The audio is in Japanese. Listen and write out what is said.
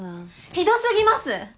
ひどすぎます！